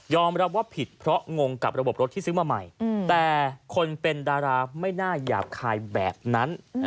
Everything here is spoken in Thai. รับว่าผิดเพราะงงกับระบบรถที่ซื้อมาใหม่แต่คนเป็นดาราไม่น่าหยาบคายแบบนั้น